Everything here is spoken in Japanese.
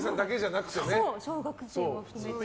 小学生も含めて。